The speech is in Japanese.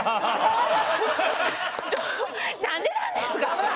なんでなんですか！